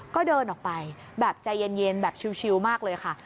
ก็เดินออกไปแบบใจเย็นแบบชิวมากเลยค่ะ